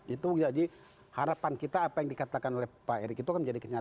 itu jadi harapan kita apa yang dikatakan oleh pak erick itu kan menjadi kenyataan